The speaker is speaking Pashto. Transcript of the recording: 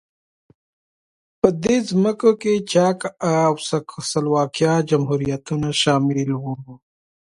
په دې ځمکو کې چک او سلواکیا جمهوریتونه شامل وو.